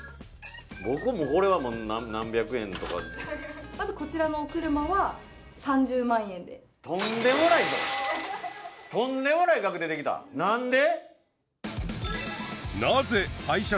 僕もこれは何百円とかまずこちらのお車は３０万円でとんでもないぞとんでもない額出てきたなんで？